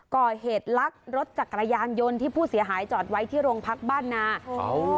ก่อเหตุลักรถจักรยานยนต์ที่ผู้เสียหายจอดไว้ที่โรงพักบ้านนา